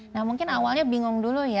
nah mungkin awalnya bingung dulu ya